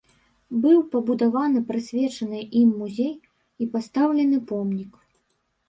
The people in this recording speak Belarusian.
Быў пабудаваны прысвечаны ім музей і пастаўлены помнік.